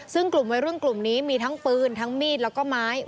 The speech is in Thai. ซึ่งกลุ่มวัยรุ่นกลุ่มนี้มีทั้งปืนทั้งมีดแล้วก็ไม้